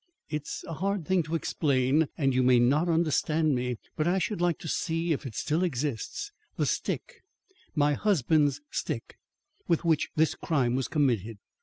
It's a hard thing to explain and you may not understand me, but I should like to see, if it still exists, the stick my husband's stick with which this crime was committed.